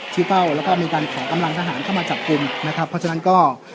เป้าแล้วก็มีการขอกำลังทหารเข้ามาจับกลุ่มนะครับเพราะฉะนั้นก็